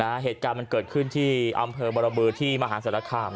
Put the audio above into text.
เหตุการณ์มันเกิดขึ้นที่อำเภอบรบือที่มหาศาลคาม